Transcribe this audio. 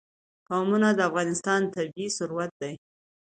قومونه د افغانستان طبعي ثروت دی.